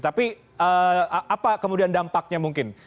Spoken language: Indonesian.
tapi apa kemudian dampaknya mungkin